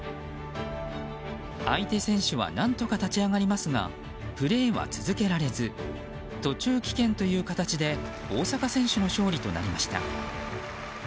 相手選手は何とか立ち上がりますがプレーは続けられず途中棄権という形で大坂選手の勝利となりました。